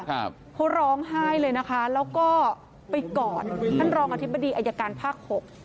เขาร้องไห้เลยนะคะแล้วก็ไปกอดท่านรองอธิบดีอายการภาคหก